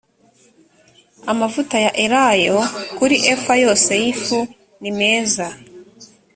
amavuta ya elayo kuri efa yose y ifu nimeza